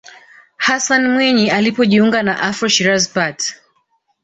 hassan mwinyi alipojiunga na afro shiraz party